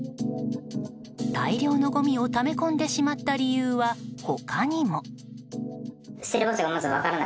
大量のごみをため込んでしまった理由は、他にも。